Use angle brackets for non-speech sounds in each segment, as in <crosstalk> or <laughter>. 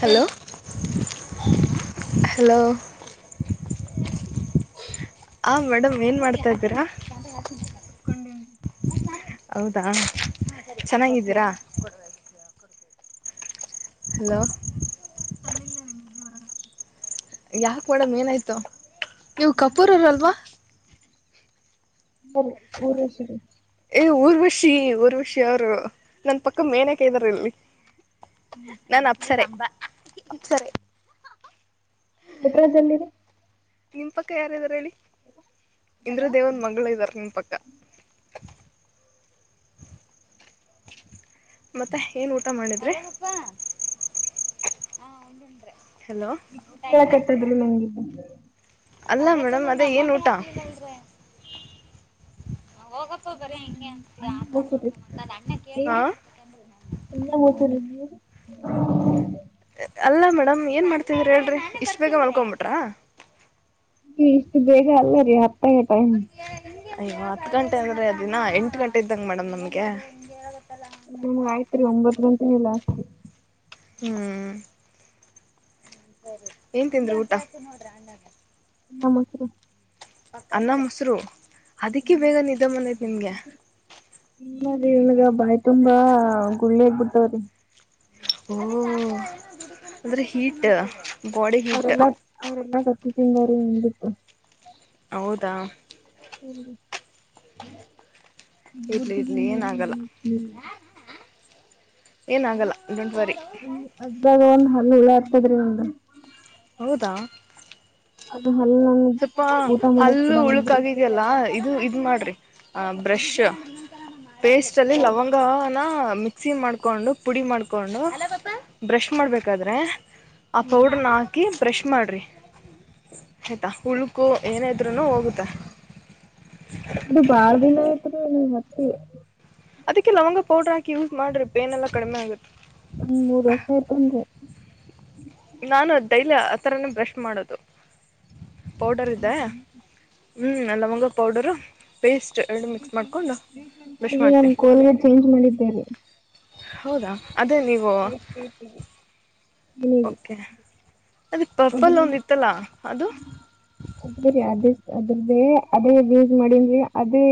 Hello hello <unintelligible> ಹಾ madam ಏನು ಮಾಡ್ತಾಇದಿರಾ ಮಕ್ಕೊಂಡೆನಿ ಹೌದಾ ಚೆನ್ನಾಗಿದ್ದೀರಾ ಹಲೋ ಅಂದಿದ್ನ್ಯಲ್ಲ ನಿದ್ದಿ ಮಾಡಕತ್ತೇನಿ ಯಾಕ ಮೇಡಂ ಏನಾಯ್ತು ನೀವು ಕಪೂರವರಲ್ವಾ ಬರ್ರಿ ಉರುಸಾಬರಿ ಏ ಊರ್ವರ್ಷಿ ಊರ್ವಷಿ ಅವರು ನನ್ ಪಕ್ಕ ಮೇನಕೈದಾರ ಇಲ್ಲಿ ನನ್ ಅಪ್ಸರ ಬಾ ಅಪ್ಸರ ನಟ್ರಲ್ಲಿರ ನಿಮ ಪಕ್ಕ ಯಾರಾರ ಹೇಳಿ ಇಂದ್ರ ದೇವನ್ ಮಂಗಳ ಇದ್ದಾರ ನಿಮ ಪಕ್ಕ ಮತ್ತೆ ಏನ್ ಊಟ ಮಾಡಿದ್ರೆ ಈ ಕೇಳಕ್ತ್ತದ್ರ ನಂಗಗೆ ಅಲ್ಲ ಮೇಡಮ್ ಅದೇ ಏನ್ ಊಟ ಹೋಗಪ್ಪ ಬರ ಹಿಂಗೆ ಅಂತ ಆತ ಮಾತ ಅ ಅಣ್ಣ ಕೇಳ ಎಲ್ಲ ಹತರ ನೀ ಅಲ್ಲ ಮೇಡಮ್ ಏನ್ ಮಾಡ್ತಿದ್ರ ಹೇಳ್ರಿ ಇಷ್ಟ್ ಬೇಗ ಮಲ್ಕೊಬಿಟ್ರ ಇಷ್ಟು ಬೇಗ ಅಲ್ಲ ರೀ ಹತ್ತಗೆ ಟೈಮ್ ಅಯ್ಯೋ ಹತ್ತು ಗಂಟೆ ಅಂದ್ರೆ ಅ ದಿನ ಎಂಟು ಗಂಟೆ ಇದ್ದಂಗ ಮೇಡಮ್ ನಮ್ಗೆ ನಮ್ಗ ಆಯ್ತ್ರಿ ಒಂಬತ್ತು ಗಂತನಿಲ್ಲ ಹ್ಮ್ ಏನ್ ತಿಂದ್ರ ಊಟ ನಮಸ್ರ ಅನ್ನ ಮೊಸರು ಅದಕ್ಕೆ ಬೇಗ ನಿದ್ದ ಮನೆತ್ ನಿಮ್ಗೆ ಗ ಬಾಯಿ ತುಂಬಾ ಗುಳ್ಳೇಗ್ಬಿಟ್ಟವ್ರಿ ಓ ಅಂದ್ರೆ ಹೀಟ್ ಬಾಡಿ ಹೀಟ್ ಅವರೆಲ್ಲ ಅವರೆಲ್ಲ ಕಟ್ಟಿ ತಿಂದಾರ ನಿನ್ ಬಿಟ್ಟು ಹೌದಾ ಇರ್ಲಿ ಇರ್ಲಿ ಏನಾಗಲ್ಲ ಹ ಏನಾಗಲ್ಲ ಡೋಂಟ್ ವರಿ ಅಜಜಾಗ ಒನ್ ಹಲ್ಲಳ ಆತದ್ರೀ ಒಮ್ದ ಹೌದಾ ಹಲ್ಲು ನನ್ ಸ್ವಲ್ಪ ಊಟ ಮಾಡಕ್ ಹಲ್ಲು ಬಿಡವಲ್ದ್ರಿ ಉಳುಕ್ಗಿದೆಯಲ್ಲ ಇದು ಇದು ಮಾಡ್ರಿ ಆ ಬ್ರಷ್ ಪೇಸ್ಟ್ ಅಲ್ಲಿ ಯಾವ್ದ್ರಿ ಲವಂಗನ ಮಿಕ್ಸಿ ಮಾಡ್ಕೊಂಡು ಪುಡಿ ಮಾಡ್ಕೊಂಡು ಬ್ರಷ್ ಮಾಡ್ಬೇಕಾದ್ರೆ ಆ ಹಾ ರೀ ಪೌಡ್ರನ ಹಾಕಿ ಬ್ರಷ್ ಮಾಡ್ರಿ ಆಯ್ತಾ ಉಳ್ಕು ಏನಾದ್ರರು ಹೋಗುತ್ತೆ ಅ ಮತ್ತೆ ಅದಕ್ಕೆ ಲವಂಗ ಪೌಡ್ರ ಹಾಕಿ ಯೂಸ್ ಮಾಡ್ರಿ ಪೇನ್ಲ್ಲಾ ಕಡಿಮೆ ಆಗುತ್ತೆ ಹ್ ಮೂರು ವರ್ಷ ಆಯ್ತಂ ನಾನು ಡೈಲಿ ಆಥರನ ಬ್ರಷ್ ಮಾಡೋದು ಪೌಡರ್ ಇದೆ ಹ್ಮ್ ನ ಲವಂಗ ಪೌಡರು ಪೇಸ್ಟ್ ಎರಡು ಮಿಕ್ಸ್ ಮಾಡಿಕೊಂಡು ಬ್ರಷ್ ರೀಸೆಂಟಾಗಿ ನನ್ ಮಾಡ್ತೀನಿ ಕೋಲ್ಗೇಟ್ ಚೇಂಜ್ ಮಾಡಿದ್ದೇರಿ ಹೌದಾ ಅದೇ ನೀವು ವತತಿ ಓಕೆ ಅದ ಪರ್ಪಲ್ ಒಂದುತ್ತಲಾ ಅದು ಹರಿ ಅ ಅದ್ರ್ದೇ ಅದೇ ಯಸ್ ಮಾಡನ್ ಅದೇ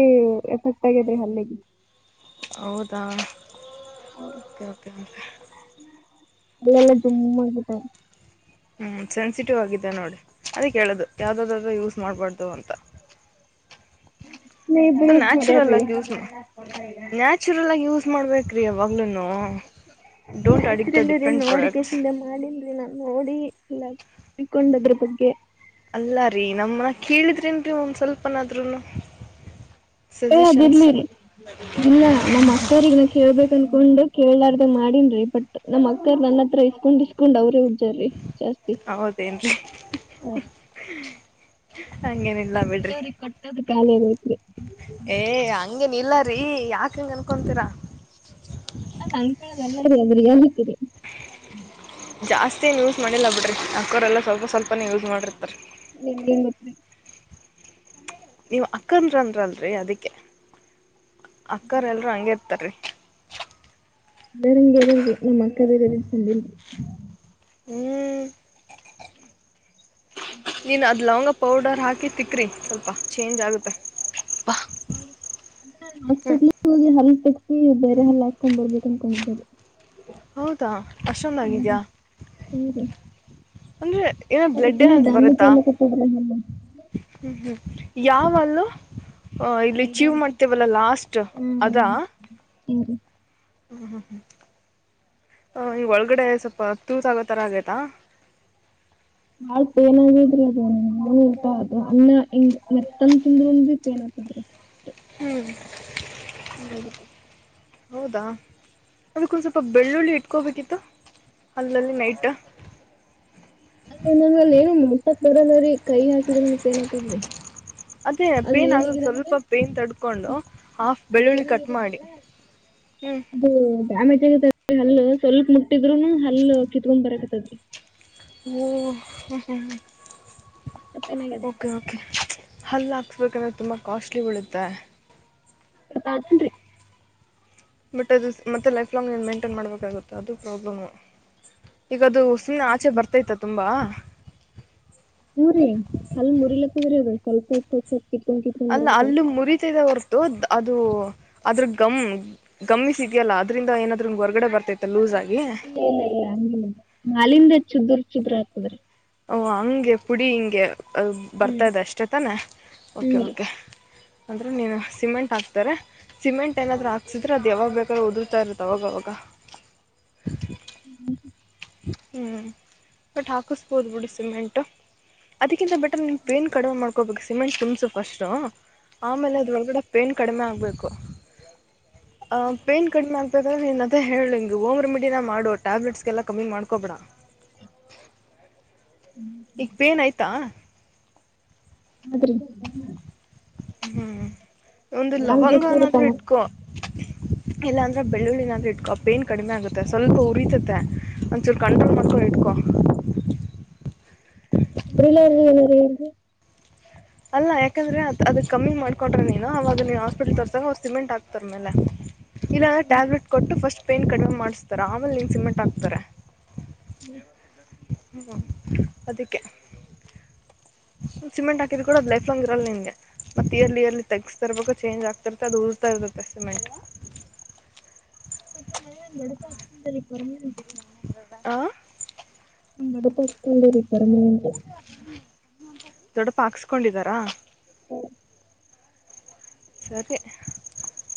ಎಫೆಕ್ಟ್ ಆಗೇದ್ರಿ ಅಲ್ಲಿಗೆ ದಾ ಹ ಎಲ್ಲಲ್ಲ ಜುಮ್ಮ ಹ್ಮ್ ಸೆನ್ಸಿಟಿವ್ ಆಗಿದೆ ನೋಡಿ ಅದ ಕೇಳುದು ಯಾವ್ದಾದಾದ್ರೂ ಯೂಸ್ ಮಾಡ್ಬಾರ್ದು ಅಂತ ಇಬ್ರು <unintelligible> <unintelligible> ಯೂಸ್ ಆಗ್ ಮಾಡ್ಯಾರ್ರಿ ಯೂಸ್ <unintelligible> ನ್ಯಚುರಲ್ ಆಗ ಯಸ್ ಮಾಡ್ಬೇಕ್ರಿ ಯವಾಗ್ಲೂನು. <unintelligible> ನೋಡಿಕ ಮಾಡನ್್ರಿ ನಾನ್ <unintelligible> ಇಲ್ಲ ತಿಳ್ಕೊಂಡ ಅದ್ರ ಬಗ್ಗೆ. ಅಲ್ಲಾರೀ ನಮ್ಮ ಕೇಳಿದ್ರೇನ್ರಿ ಒಂದ್ ಸ್ವಲ್ಪನಾದ್ರೂನು. <unintelligible> ಅದಿರ್ಲಿರಿ ಇಲ್ಲ ನಮ್ಮ್ ಅಕ್ಕರಿಗ್ ನಾ ಕೇಳ್ಬೇಕ ಅನ್ಕೊಂಡು. ಕೇಳಾರ್ದ ಮಾಡೀನ್ರಿ ಬಟ್ ನಮ್ಮ್ ಅಕ್ಕರ್ ನನ್ನ ಹತ್ರ ಇಸ್ಕೊಂಡ್ ಇಸ್ಕೊಂಡ್ ಅವ್ರೇ ರಿ ಜಾಸ್ತಿ ಹೌದೇನ್ರಿ ಹ ಆ ಹಂಗೇನಿಲ್ಲ ಬಿಡ್ರಿ ಕೆಲವ್ರಿಗೆ ಕೊಟ್ಟದ ಕಾಲ <unintelligible> ಏ ಹಂಗೆನ್ ಇಲ್ಲಾರಿ ಯಾಕಂಗ ಅನ್ಕೊಂತೀರ. ಸರಿ ಅದ್ರಿ <unintelligible> ಜಾಸ್ತಿ ಏನು ಯೂಸ್ ಮಾಡಿಲ್ಲ ಬಿಡ್ರಿ ಅಕ್ಕೋರೆಲ್ಲ <unintelligible> ಸ್ವಲ್ಪ ಸ್ವಲ್ಪನೇ ಯೂಸ್ ಮಾಡಿರ್ತಾ <unintelligible> ನೀವ್ ಅಕ್ಕನದ್ರದ್ರಳ್ರಿ ಅದಿಕ್ಕೆ ಅಕ್ಕರ ಎಲ್ರೂ ಹಂಗೆ ಇರ್ತಾರ. ಬರಿಂಗಗೆರಲ್ರಿ ನಮ್ಮ್ ಅಕ್ಕದ ಇರ ಚಂದ ಹ್ಮ್ ನೀನು ಅದು ಲವಂಗ ಪೌಡರ್ ಹಾಕಿ ತಿಕ್ಕ್ರಿ ಸ್ವಲ್ಪ ಚೇಂಜ್ ಆಗುತ್ತೆ. ಬಾ <unintelligible> ಹ್ಮ್ ನೀ ಬೇರೆ ಹಲ್ಲ ಹಾಕೊಂಡ್ ಬರ್ಬೇಕು ಅನ್ಕೊಂಡ ಹೌದಾ ಅಷ್ಟಂದ ಆಗಿದ್ಯಾ ಅಂದ್ರೆ ಏನಾದ್ ಅದು ಬ್ಲಡ್ ಫುಲ್ ಏನಾದ್ರು ಡ್ಯಾಮೇಜ್ ಬರುತ್ತಾ ಎಲ್ಲ ಕತ್ತದ್ರಿ ಹಲ್ಲು <unintelligible> ಯಾವಲ್ಲೂ ಇಲ್ಲಿ ದೌಡೆ ಅಚೀವ್ ಅಲ್ರಿ ಮಾಡ್ತೇವಲ್ಲ ಲಾಸ್ಟ್ ಅದ. ಹು ರೀ <unintelligible> ಹ ಈಗ ಒಳಗಡೆ ಸ್ವಲ್ಪ ತೂತ್ ಆಗೋತರ ಆಗೇತಾ. ಬಾಳ ಪೇನ್ ಆಗದ್ರ ಅದ ನ ಇಟಾ ಅದು ಅಣ್ಣ ಹಿಂಗ್ ಮೆತ್ತನ್ ತಿಂದ್ೂನ್ ಪೇನ್ ಆತದ್ರಿ ಹ್ಮ್ <unintelligible> ಹೌದಾ ಅದಕ್ಕ ಸ್ವಲ್ಪ ಬೆಳ್ಳುಳ್ಳಿ ಇಟ್ಕೋಬೇಕಿತ್ತು. ಅಲ್ಲಲ್ಲಿ ನೈಟ್. ಅಲ್ಲ ನಂಗ ಅಲ್ಲಿ ಏನು ಮುಟ್ಟಕ್ <unintelligible> ಕೈ <unintelligible> ಪೈನ್ ಆತಾದ್ರಿ. ಅದೇ <unintelligible> ಆಗುತ್ಸ್ವಲ್ಪ ಪೈನ್ ತಡ್ಕೊಂಡು ಹಾಫ್ ಬೆಳ್ಳುಳ್ಳಿ ನನಗೆ ಕಟ್ ಮಾಡಿ. ಹ್ಞೂ <unintelligible> ಡ್ಯಾಮೇಜ್ ಆಯ್ತದ್. <unintelligible> ಸ್ವಲ್ಪ ಮುಟ್ಟಿದ್ರುನು ಹಲ್ಲು ಕಿತ್ಕೊಂಡ್ ಬರಕತ್ತದ್ರಿ. ಓ <unintelligible> ಅಷ್ಟ ಪೇನ್ ಆಗ್ಯದ ಓಕೆ ಓಕೆ. ಹಲ್ಲ ಹಾಕ್ಸ್ಬೇಕಂದ್ರೆ ತುಂಬಾ ಕಾಸ್ಟ್ಲಿ ಬೀಳುತ್ತೆ. <inaudible> ಬಟ್ ಅದು ಮತ್ತೆ ಲೈಫ್ ಲಾಂಗ್ನ್ ನಿನ್ ಮೈಂಟೈನ್ ಮಾಡ್ಬೇಕಾಗುತ್ತೆ ಅದು ಪ್ರಾಬ್ಲಮು. ಈಗ ಅದು ಸುಮ್ನೆ ಆಚೆ ಬರ್ತೈತ ತುಂಬಾ. ಹೂ ರೀ ಅಲ್ಲಿ ಮುರಿಲಕ್ಕದರ ಸ್ವಲ್ಪ್ ಸ್ವಲ್ಪ್ ಸ್ವಲ್ಪ ಕಿತ್ಕೊಂಡ್ ಕಿತ್ಕೊಂಡ್ ಅಲ್ಲ ಬರಾಕತ್ತದ ಹಲ್ಲು ಮುರಿತದ <unintelligible> <unintelligible> ಅದು ಅದ್ರ ಗಮ್ ಗುಮ್ಸ್ ಸಿಗ್ಯಲ್ಲ ಅದ್ರಿಂದ ಏನಾದ್ರೂ <unintelligible> ಹೊರ್ಗಡೆ ಬರ್ತೈತ್ತು ಲೂಸ್ <unintelligible> ಇಲ್ಲ ಇಲ್ಲ <unintelligible> ನಾಲಿಂದ <unintelligible> ಚುದ್ರ <unintelligible> ಓ ಹಂಗೆ ಪುಡಿ ಹಿಂಗೆ ಅ ಹ್ಮ್ ಬರ್ತಾದೆ ಅಷ್ಟೇ ತಾನೆ ಓಕೆ ಹ್ಞೂ ರೀ ಓಕೆ ಅಂದ್ರೆ ನೀನು ಸಿಮೆಂಟ್ ಹಕ್ತಾರೆ ಸಿಮೆಂಟ್ ಏನಾದ್ರು ಹಾಕಸಿದ್ರೆ ಅದು ಯಾವಾಗ ಬೇಕಾದರು ಉದುರ್ತಾ ಇರುತ್ತ ಅವಾಗ ಅವಾಗ. <inaudible> ಹ್ಮ ಹ್ಮ್ ಬಟ್ ಹಾಕಿಸ್ಬೋದು ಬಿಡಿ ಸಿಮೆಂಟು. ಅದಕ್ಕಿಂತ <unintelligible> ಬೆಟ್ರ ನಿಮ್ ಪೈನ್ ಕಡಿಮೆ ಮಾಡ್ಕೋಬೇಕು ಸಿಮೆಂಟ್ ತುಂಬ್ಸು ಫಸ್ಟ್. ಆಮೇಲೆ ಅದ್ರೊಳಗಡೆ ಪೇನ್ ಕಡಿಮೆ ಆಗ್ಬೇಕು ಆ ಪೇನ್ ಕಡಿಮೆ ಆಗ್ ನೀನ್ ಅದೇ ಹೇಳಿ ಹೋಮ್ ರೆಮಿಡಿನ ಮಾಡೋ ಟಬ್ಲೆಟ್ಸ್ಗೆಲ್ಲ ಕಮ್ಮಿ ಮಾಡ್ಕೊಬೇಡಾ. ಈಗ ಪೇನ್ ಐತಾ. <unintelligible> ಹ್ಮ್ ಒಂದು ನಾಲ್ಕು ಹೆಚ್ಚಿದ್ರೆ ಲವಂಗವನಾದ್ರೂ ತಾನ ಇಟ್ಕೊ. ಇಲ್ಲಾಂದ್ರೆ ಬೆಳ್ಳಿನ ಅಂದ್ರೆ ಇ ಪೇನ್ ಕಡಿಮೆ ಆಗುತ್ತೆ ಸ್ವಲ್ಪ ಉರಿತತ ಮತ್ತೆ ಒಂದ ಚುರ ಕಂಟ್ರೋಲ್ ಮಾಡ್ಕೊಂಡು ಇಟ್ಕೊ. <unintelligible> ಅಲ್ಲ ಯಾಕಂದ್ರೆ ಅ ಅದ್ ಕಮ್ಮಿ ಮಾಡ್ಕೊೊಂಡ್ರ ನೀನು ಅವಾಗ ನೀ ಹಾಸ್ಪಿಟ್ಲ್ ತೋರ್ಸಾಗ ಅವರು ಸಿಮೆಂಟ್ ಹಾಕ್ತಾರ ಮೇಲೆ. ಇಲ್ಲ ಅಂದ್ರೆ ಟ್ಯಾಬ್ಲೆಟ್ ಕೊಟ್ಟು ಫಸ್ಟ್ ಪೈನ್ ಕಡಿಮೆ ಮಾಡಸ್ತಾರೆ ಆಮೇಲೆ ನಿನ್ ಸಿಮೆಂಟ್ ಹಾಕ್ತಾರೆ. ಹ್ಮ್ ಹ್ಮ ಅದಕ್ಕೆ ಸಿಮೆಂಟ್ ಹಾ ಇದು ಕೂಡ ಅ ಲೈಫಲಾಂಗ್ ಇರಲ್ಲಾ ನಿಂಗೆ. ಮತ್ತ ಇರ್ಲಿ ಇರ್ಲ್ಲಿ ತೆಗಸ್ತಿರ್ಬೇಕು ಚೇಂಜ್ ಆಗ್ತಿರ್ತ್ತೆ ಅದು ಉರ್ತಾ ಇರ್ತತ್ತೆ ಸಿಮೆಂಟ್. <inaudible> ಹಾ. <unintelligible> ದೊಡ್ಡಪ ಹಾಕ್ಸ್ಕೊಂಡಿದಾರಾ. ಸರಿ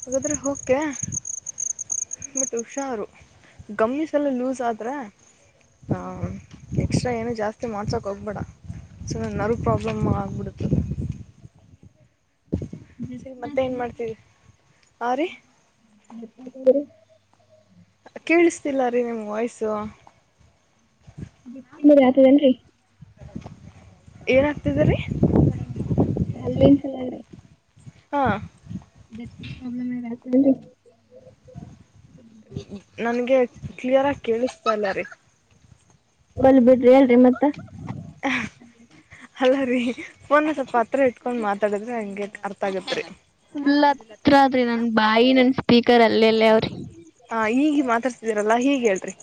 ಹಾಗಾದ್ರೆ ಹೋಕೆ. ಬಟ್ ಹುಷಾರು ಗಮಿಸಲ್ಲ ಲೂಸ್ ಆದ್ರೆ. ಹಾ ಎಕ್ಸ್ಟ್ರಾ ಏನು ಜಾಸ್ತಿ ಮಾಡ್ಸಾಕ್ ಹೋಗ್ಬೇಡ. ಸೊ ನರ್ವ ಪ್ರಾಬ್ಲಮ್ ಆಗ್ಬಿಡುತ್ತದ. ಸರಿ ಮತ್ತೆ ಏನ್ ಮಾಡ್ತರಿ ಆ ರೀ. <inaudible> ಕೇಳಿಸ್ತಿಲ್ಲ ರೀ ನಿಮ್ ವಾಯ್ಸ್. ಬಿಟ್ಟರಿ ಆತದೇನ್ರಿ. ಏನ ಆಗ್ತಿದೆರಿ. ಹಲ್ಲಿನ ಸಲುವಾಗ ರೀ. ಹಾ. <unintelligible> ನನ್ಗೆ ಕ್ಲಿಯರ್ ಆಗ ಕೇಳಿಸ್ತಲ್ಲ ರೀ. ಬಲ್ ಬಿಡ್ರಿ ಹೇಳ್ರಿ ಮತ್ತ. <inaudible> ಅಲ್ಲರೀ ಫೋನ್ ಸ್ವಲ್ಪ ಹತ್ರ ಇಟ್ಕೊಂಡ್ ಮಾತಾಡಿದ್ರೆ ಹಂಗಗೆ ಅರ್ಥ ಆಗತ್ರಿ. <inaudible> ಫುಲ್ ಹತ್ರ ಆದ್ರಿ ನನ್ ಬಾಯಿ ನನ್ ಸ್ಪೀಕರ್ ಅಲ್ಲೆ ಅಲ್ಲೇ ಅವ್ರಿ ಮಾತಾಡ್ತಿದೀರಲ್ಲಾ ಹೀಗ್ ಹೇಳ್ರಿ.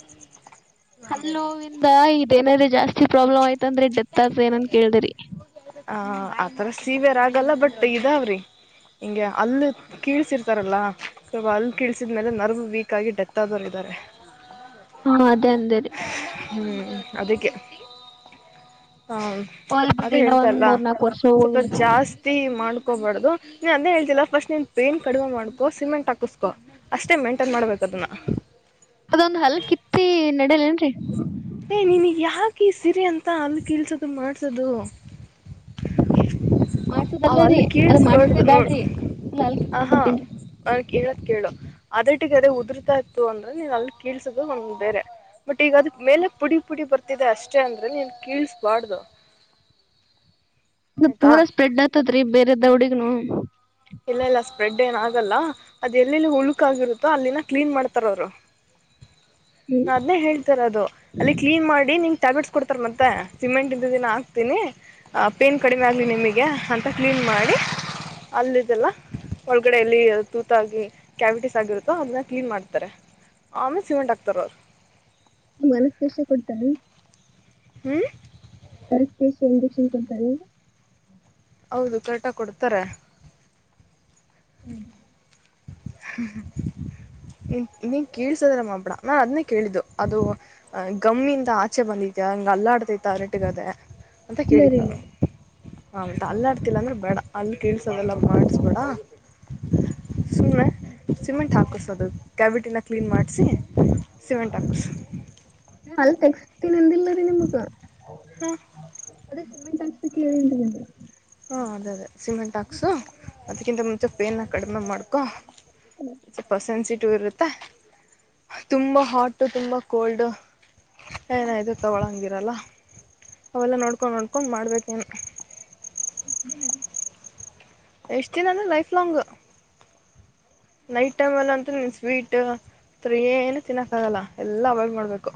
ಹಲ್ಲ ನೋವ ಇಂದ ಇದೇನ್ರ ಜಾಸ್ ಜಾಸ್ತಿ ಪ್ರಾಬ್ಲಮ್ ಆಯ್ತ ಅಂದ್ರೆ ಡೆತ್ ಆಗ ಏನನ್ ಕೇಳ್ದ್ರರಿ. ಆ ಆತರ ಸೀವಿಯರ್ ಆಗಲ್ಲ ಬಟ್ ಇದಾವ್ರಿ. ಹಿಂಗೆ ಅಲ್ಲಿ ಕೀಳಸಿರ್ತಾರಲ್ಲ ಸ್ವಲ್ಪ ಅಲ್ಲಿ ಕೀಳಸಿದ್ಮೇಲೆ ನರ್ವ್ ವೀಕ್ ಆಗಿ ಡೆತ್ ಆಗೋರ ಇದಾರೆ. <inaudible> ಹಾ ಅದೇ ಅಂದೇ ರೀ. ಹ್ಮ್ ಅದಿಕ್ಕೆ. ಹಾ ಹೋಲ್ ಅದ ಬಿಡ್ರಿ ಇನ್ನ ಒಂದ್ ಹೇಳ್ತಲ್ಲ ಮೂರ್ ನಾಕ್ ವರ್ಷ ಸ್ವಲ್ಪ ಹೋಗ್ಲಿ ಜಾಸ್ತಿ ಮಾಡ ಹಕೋಬಾರ್ದದು ನೀನ್ ಅಂದೇ ಹೇಳ್ತಿಲ್ಲ ಸ್ಟ್ ನೀನ್ ಪೈಂನ್ ಕಡಿಮ ಮಾಡ್ಕೋ ಸಿಮೆಂಟ್ ಹಾಕಸ್ಕೋ ಅಷ್ಟೇ ಮಂಟೈನ್ ಮಾಡ್ಬೇಕು. ಅದನ್ನ. ಅದೊಂದು ಹಲ್ ಕಿತ್ತಿ ನಡಲೇನ್ರಿ. ಏ ನೀಿನಗ್ ಯಾಕೆ ಈ ಸಿರಿ ಅಂತ ಅಲ್ಲಿ ಕಲ್ಸೋದು ಮಾಡ್ಸದು. ಮಾಡ್ಸದಲ್ಲರಿ ಅವಲ್ಲಿ ಅದ್ ಮಾಡ್ಸದೇ ಕೇಳಿಸಬಡ್ದು ನೋಡು ಬ್ಯಾಡ್ರಿ ಫುಲ್ ಹಲ್ ಆ ಕಿತ್ಕೊಂಡ್ ಹಾ ಬಿಡ್ತೇನ್ರಿ ನ ಕೇಳು ಅದ್ರಟ್ಟಿಗೆ ಅದೇ ಉದುರತಾ ಇತ್ತು ಅಂದ್ರೆ ನೀನ್ ಅಲ್ಲಿ ಕೀಳ್ಸದು ಒಂದ್ ಬೇರೆ ಬಟ್ ಈಗ ಅದ್ರ ಮೇಲೆ ಪುಡಿ ಪುಡಿ ಬರ್ತಿದೆ ಅಷ್ಟೇ ಅಂದ್ರೆ ನೀನ್ ಕೀಳ್ಸಬಾರ್ದು ಇ ಪೂರಾ ಸ್ಪ್ರೆಡ್ ಆಗ್ತತ್ ರೀ ಬೇರೆ ದೌಡಿಗ್ನು ಇಲ್ಲ ಇಲ್ಲ ಸ್ಪ್ರೆಡ್ ಏನ ಆಗಲ್ಲ ಅದ ಎಲ್ಲೆಲ್ಲ ಉಳುಕಾಗಿರುತ್ತೋ ಅಲ್ಲಿನ ಕ್ಲೀನ್ ಮಾಡ್ತಾರ ಅವ್ರು ಹ್ಮ್ ನಾ ಅದನ್ನೇ ಹೇಳ್ತರದು ಅಲ್ಲಿ ಕ್ಲೀನ್ ಮಾಡಿ ನಿಂಗ ಟ್ಯಾಬ್ಲೆಟ್ಸ್ ಕೊಡ್ತಾರ ಮತ್ತೆ ಸಿಮೆಂಟ್ ಇಂತ ದಿನ ಹಾಕ್ತೀನಿ ಆ ಪೇನ್ ಕಡಿಮೆ ಆಗ್ಲಿ ನಿಮಗೆ ಹಂತ ಕ್ಲೀನ್ ಮಾಡಿ <unintelligible> ಅಲ್ಲಿದೆಲ್ಲ ಒಳಗಡೆ ಯಲ್ಲಿ ತೂತಾಗಿ ಕ್ಯಾವಿಟಿಸ್ ಆಗಿರುತ್ತೋ ಅದನ್ನ ಕ್ಲೀನ್ ಮಾಡ್ತಾರೆ ಆಮೇ ಸಿಮೆಂಟ್ ಹಾಕ್ತರವ್ರ್ ನಮ್ಗ ಅನಸ್ತೆಷ್ಯ ಕೊಡ್ತಾರೆನ್ ಹ್ಮ್ ಅನಸ್ತೆಷ್ಯ ಇಂಜೆಕ್ಷನ್ ಕೊಡ್ತಾರೆನು ಹೌದು ಕರೆಕ್ಟಾಗ್ ಕೊಡ್ತಾರೆ ಉಗ್ ಹ್ ಏ ನೀನ್ ಕೇಳ್ಸದ್ರ ಮಾಬಡ ನಾನ್ ಅದನ್ನೇ ಕೇಳಿದ್ದು ಅದು ಗಮ್ಮಿಂದ ಆಚೆ ಬಂದಿ ದ್ಯ ಹಂಗ ಅಲ್ಲ ಆಡ್ತೈತ ಅರಟಗದೆ ಅಂತ ಇಲ್ಲ ಕೇಳಿದ ರೀ ಇಲ್ಲ ನಾನು ಆಮ್ತ ಅಲ್ಲಾಡ್ತಿಲ್ಲ ಅಂದ್ರೆ ಬೇಡ ಅಲ್ಲ್ ಕಿಳಸದೆಲ್ಲಾ ಮಾಡಸಬೇಡ ಸುಮ್ನೆ ಸಿಮೆಂಟ್ ಹಾಕ್ಸ ದು ಕ್ಯಾವಿಟಿನ ಕ್ಲೀನ್ ಮಾಡಿಸಿ ಸಿಮೆಂಟ್ ಹಾಕಸ್ ಏ ಅಲ್ಲ್ ತೆಗಸ್ತಿ ಹಾ ಅದೇ ಸಿಮೆಂಟ್ ಹಾಕ್ಲಿಕ್ಕೆ ಹೇಳಿ ಅಂದ್ನಿಲ ಹಾ ಅದೇ ಅದೇ ಸಿಮೆಂಟ್ ಹಾಕ್ಸು ಅದ್ಕ್ಕಿಂತ ಮುಂಚೆ ಫೇನನಾ ಕಡಿಮೆ ಮಾಡ್ಕೊ ಸೋಪ ಸೆನ್ಸಿಟಿವ್ ಇರುತ್ತೆ ಹ್ಹ ತುಂಬಾ ಹಾಟ್ ತುಂಬಾ ಕೋಲ್ಡ್ ಎನುದ ತಗೊಳಂಗಿರಲ್ಲ ಅವೆಲ್ಲ ನೋಡ್ಕೊಂಡು ನೋಡ್ಕೊಂಡು ಮಾಡ್ಬೇಕೇನ್ ಎಷ್ಟ ದಿನ ರೀ ಎಷ್ಟು ದಿನ ಅಂದ್ರ ಲೈಫ್ ಲಾಂಗ್ ನೈಟ್ ಟೈಮ್ ಅಲ್ಲ ಅಂತು ನೀನ್ ಸ್ವೀಟ್ ತ್ರೀಯೇನು ತಿನ್ನಕ್ ಆಗಲ್ಲ ಎಲ್ಲ ಅವಾಯ್ಡ್ ಮಾಡ್ಬೇಕು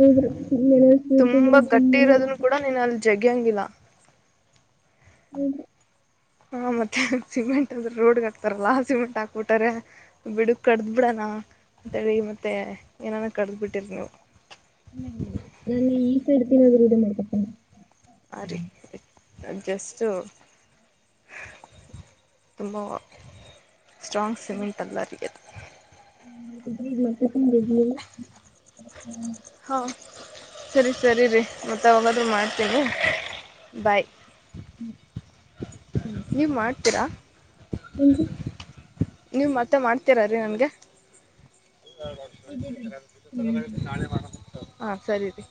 ಹೌದ್ರಿ ಇಲ್ಲೆನಾರ ಸ್ವೀಟ್ ತಿಂದ್ರ ತುಂಬಾ ಜುಮ್ ಗಟ್ಟಿ ಇರೋದನ್ನು ಅನ್ನಕತ್ತ ಕೂಡ ನೀನ್ ಅಲ್ಲಿ ಜಗಿಯಂಗಿಲ್ಲ ಹಾ ಮತ್ತೆ ಹ್ಹಾ ಸಿಮೆಂಟ್ ಅಂದ್ರ ರೋಡ್ಗ್ ಹಾಕ್ತಾರಲ್ಲಾ ಆ ಸಿಮೆಂಟ್ ಹಾಕ್ಬಿಟ್ಟಾರೆ ಬಿಡು ಕಡ್ದ್ ಬಿಡಣ ಹ ತಡಿ ಮತ್ತೆ ಏನಾನ ಕಡ್ದ್ ಬಿಟ್ಟಿರ್ ನೀವು ಇಲ್ಲ ಇಲ್ಲ ನಾನೆ ಈ ಸರ್ತಿನಾದ್ರು ವಿಡ ಮಾಡ್ಕತಿಣ ಆರಿ ಇ <unintelligible> ನಾನ್ ಜಸ್ಟು ಹ್ ತುಂಬವ ಸ್ಟ್ರಾಂಗ್ ಸಿಮೆಂಟ್ ಅಲ್ಲಾರಿ ಅದು <unintelligible> ಹಾ ಸರಿ ಸರಿರಿ ಮತ್ತ ಯ್ವಾಗಾದ್ರು ಮಾಡ್ತೇನಿ ಬಾಯ್ ನೀವ್ ಮಾಡ್ತೀರಾ <unintelligible> ತಿಂದ್ರಿ ನೀವ್ ಮತ್ತ ಮಾಡ್ತೀರಾರೀ ನನ್ಗೆ <unintelligible> ನಾಳೆ ಮಾಡನ ಹಾ ಸರಿರೀ